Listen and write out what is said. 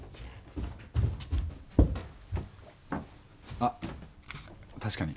あっ確かに。